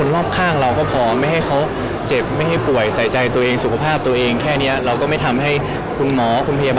วิ่งตามจังหวังอะไรครับ